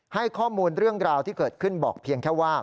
ให้ข้อมูลเรื่องราวที่เกิดขึ้นบอกเพียงแค่ว่า